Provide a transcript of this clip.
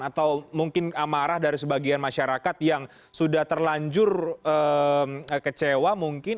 atau mungkin amarah dari sebagian masyarakat yang sudah terlanjur kecewa mungkin